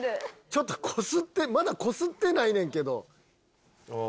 ちょっとこすって、まだこすってないねんけど。